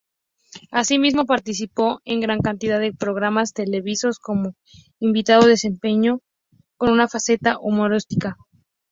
Asimismo, participó en gran cantidad de programas televisivos como invitado, desempeñando una faceta humorística.